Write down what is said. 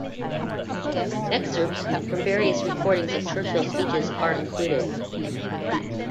Excerpts from various recordings of Churchill's speeches are included.